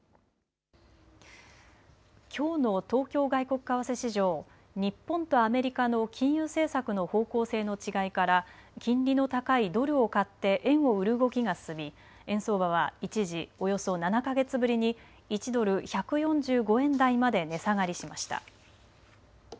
きょうの東京外国為替市場、日本とアメリカの金融政策の方向性の違いから金利の高いドルを買って円を売る動きが進み円相場は一時およそ７か月ぶりに１ドル１４５円台まで値下がりしました。